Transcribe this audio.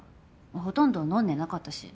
ほとんど飲んでなかったし。